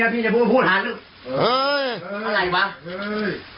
ให้ลูกกินข้าวกินนั้น